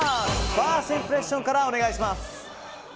ファーストインプレッションからお願いします。